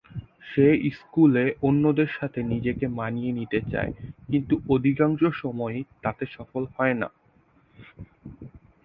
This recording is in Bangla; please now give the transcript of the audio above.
সে স্কুলে অন্যদের সাথে নিজেকে মানিয়ে নিতে চায়, কিন্তু অধিকাংশ সময়ই তাতে সফল হয়না।